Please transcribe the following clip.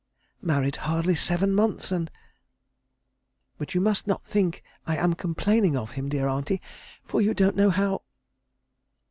married hardly seven months and ... but you must not think I am complaining of him, dear auntie, for you don't know how....